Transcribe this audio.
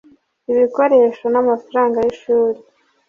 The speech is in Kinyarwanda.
ibikoresho n’amafaranga y’ishuri